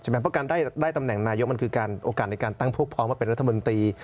เพราะการได้ตำแหน่งนายกมันคือการโอกาสในการตั้งพวกพร้อมมาเป็นรัฐมนตรี